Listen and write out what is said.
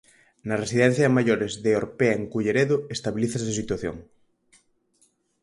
Na residencia de maiores de Orpea en Culleredo estabilízase a situación.